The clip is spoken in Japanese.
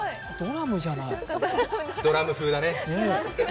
ドラム風だね。